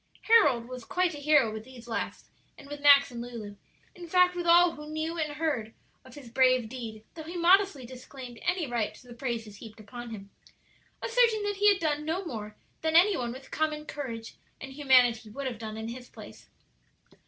Harold was quite a hero with these last and with Max and Lulu; in fact, with all who knew or heard of his brave deed, though he modestly disclaimed any right to the praises heaped upon him, asserting that he had done no more than any one with common courage and humanity would have done in his place.